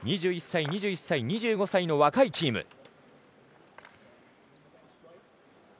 ２１歳、２１歳、２５歳の若いチーム。